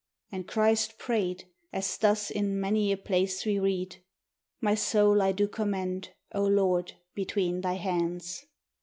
And Christ prayed, as thus in many a place we read, "My soul I do commend, O Lord, between thy hands!"